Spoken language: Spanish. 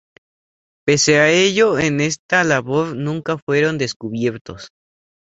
Pese a ello, en esta labor nunca fueron descubiertos.